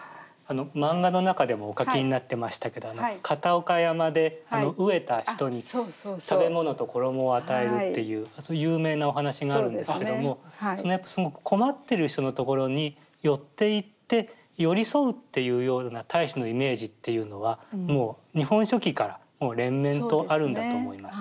漫画の中でもお描きになってましたけど片岡山で飢えた人に食べ物と衣を与えるっていう有名なお話があるんですけどもやっぱすごく困ってる人のところに寄っていって寄り添うっていうような太子のイメージっていうのはもう「日本書紀」から連綿とあるんだと思います。